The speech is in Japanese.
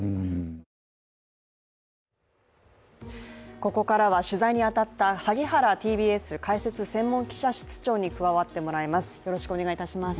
ここからは取材に当たった萩原ＴＢＳ解説・専門記者室長に加わってもらいます。